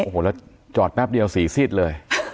โอ้โหแล้วจอดแป๊บเดียวสีซีดเลย